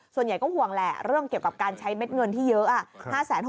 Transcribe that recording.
ส่วนใหญ่ก็ห่วงแหละเรื่องเกี่ยวกับการใช้เม็ดเงินที่เยอะ